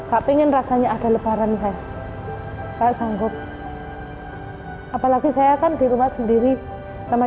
hai tak pingin rasanya ada lebaran hai tak sanggup apalagi saya akan di rumah sendiri sama